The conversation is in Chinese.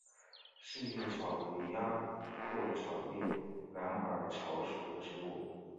四孔草为鸭跖草科蓝耳草属的植物。